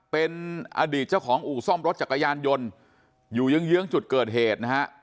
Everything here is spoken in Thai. เป็นอดีตเจ้าของอู่ซ่อมรถจักรยานยนต์อยู่เยื้องจุดเกิดเหตุนะฮะ